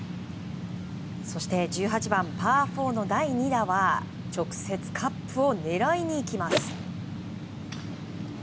そして１８番、パー４の第２打は直接カップを狙いにいきます。